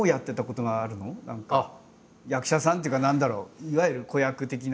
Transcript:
何か役者さんっていうか何だろういわゆる子役的な。